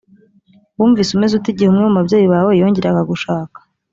wumvise umeze ute igihe umwe mu babyeyi bawe yongeraga gushaka